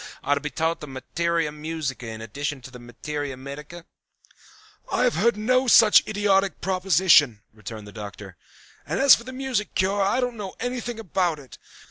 's are to be taught the materia musica in addition to the materia medica?" "I had heard of no such idiotic proposition," returned the Doctor. "And as for the music cure I don't know anything about it.